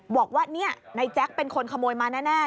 บอกว่านี่นายแจ๊คเป็นคนขโมยมาแน่